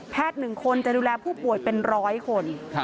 แพทย์๑คนจะดูแลผู้ป่วยเป็น๑๐๐คน